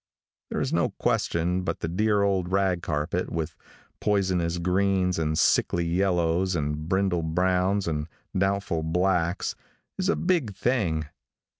There is no question but the dear old rag carpet, with poisonous greens and sickly yellows and brindle browns and doubtful blacks, is a big thing.